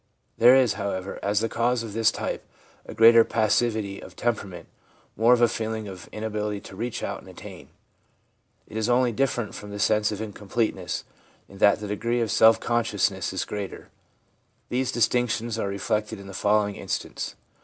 There is, however, as the cause of this type, a greater passivity of temperament, more of a feeling of inability to reach out and attain. It is only different from the sense of incompleteness in that the degree of self consciousness is greater. These distinctions are re flected in the following instance.